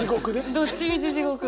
どっちみち地獄。